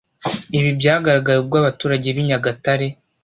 Ibi byagaragaye ubwo abaturage b’i Nyagatare